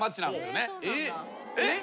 えっ？